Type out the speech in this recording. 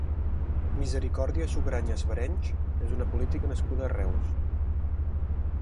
Misericòrdia Sugrañes Barenys és una política nascuda a Reus.